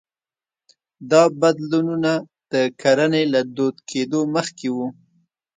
دا بدلونونه د کرنې له دود کېدو مخکې وو